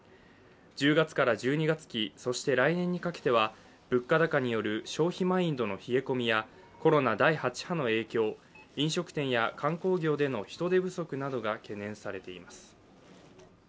１０月から１２月期、そして来年にかけては物価高による消費マインドの冷え込みやコロナ第８波の影響、飲食店や観光業での人手不足などが懸念されています。